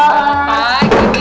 selamat pagi bu